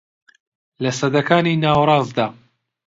لە سەدەکانی ناوەڕاستدا